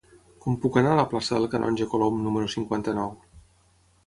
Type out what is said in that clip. Com puc anar a la plaça del Canonge Colom número cinquanta-nou?